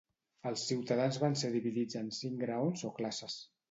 Els ciutadans van ser dividits en cinc graons o classes.